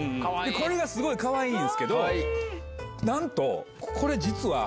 これがすごいかわいいんすけどなんとこれ実は。